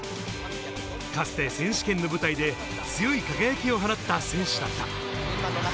かつて選手権の舞台で強い輝きを放った選手だった。